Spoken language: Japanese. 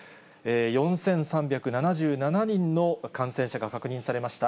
４３７７人の感染者が確認されました。